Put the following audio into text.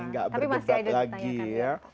gak berdebat lagi ya